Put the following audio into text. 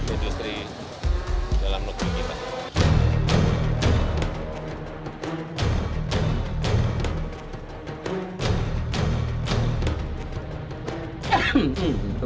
industri dalam negeri kita